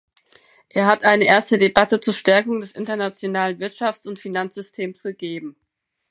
Es hat eine erste Debatte zur Stärkung des internationalen Wirtschafts- und Finanzsystems gegeben.